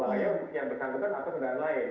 bahaya untuk yang bersangkutan atau negara lain